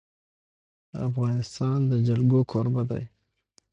افغانستان د د افغانستان جلکو کوربه دی.